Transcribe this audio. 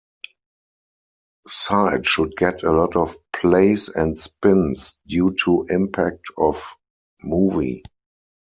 Side should get a lot of plays and spins due to impact of movie.